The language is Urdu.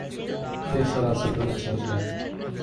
یہ سراسر غلط سوچ ہے۔